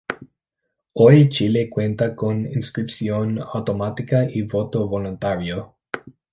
Hoy Chile cuenta con inscripción automática y voto voluntario.